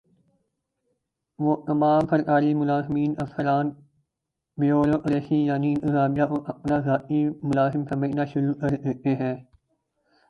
وہ تمام سرکاری ملازمین افسران بیورو کریسی یعنی انتظامیہ کو اپنا ذاتی ملازم سمجھنا شروع کر دیتے ہیں ۔